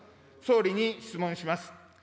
総理に質問します。